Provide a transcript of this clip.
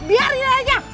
biar dia aja